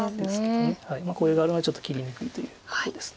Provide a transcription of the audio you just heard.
これがあるのはちょっと切りにくいということです。